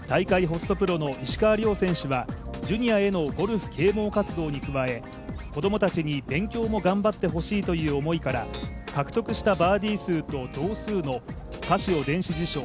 ホストプロの石川遼選手はジュニアへのゴルフ啓もう活動に加え子供たちに、勉強も頑張ってほしいという思いから獲得したバーディー数と同数のカシオ電子辞書